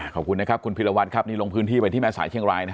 ขอบคุณนะครับคุณพิรวัตรครับนี่ลงพื้นที่ไปที่แม่สายเชียงรายนะฮะ